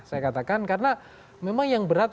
saya katakan karena memang yang berat